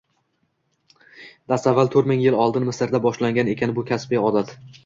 Dastavval to’rt ming yil oldin Misrda boshlangan ekan bu kasbiy odat